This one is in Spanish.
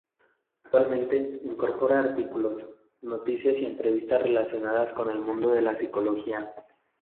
Actualmente, incorpora artículos, noticias y entrevistas relacionados con el mundo de la psicología.